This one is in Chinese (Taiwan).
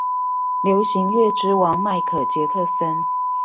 流行樂之王麥可傑克森